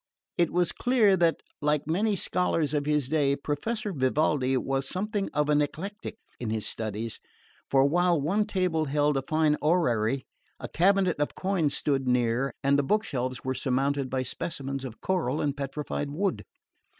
It was clear that, like many scholars of his day, Professor Vivaldi was something of an eclectic in his studies, for while one table held a fine orrery, a cabinet of coins stood near, and the book shelves were surmounted by specimens of coral and petrified wood.